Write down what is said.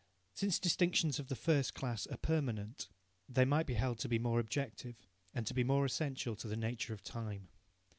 Since distinctions of the first class are permanent, they might be held to be more objective, and to be more essential to the nature of time.